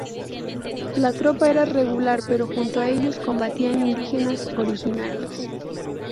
La tropa era regular pero junto a ellos combatían indígenas originarios.